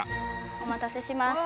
お待たせしました。